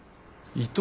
伊藤。